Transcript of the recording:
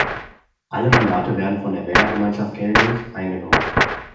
Alle Mandate werden von der Wählergemeinschaft Kellmünz eingenommen.